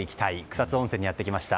草津温泉にやってきました。